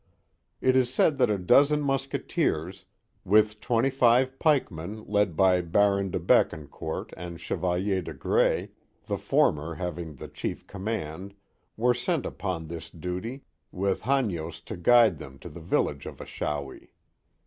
It is said that a dozen mus keteers, with twenty five pikemen led by Baron de Baken court and Chevalier de Grais, the former having the chief command, were sent upon this duty, with Hanyost to guide them to the village of Achawi.